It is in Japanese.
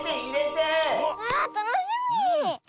わあたのしみ！